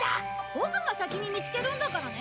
ボクが先に見つけるんだからね！